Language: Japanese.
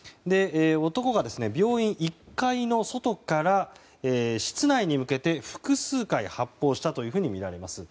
男が病院１階の外から室内に向けて複数回発砲したというふうにみられます。